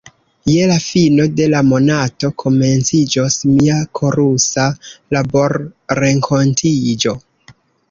Je la fino de la monato komenciĝos mia korusa laborrenkontiĝo.